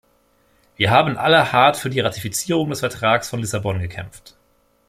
Wir haben alle hart für die Ratifizierung des Vertrags von Lissabon gekämpft.